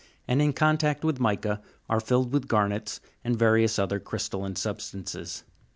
and, in contact with mica, are filled with garnets and various other crystalline substances.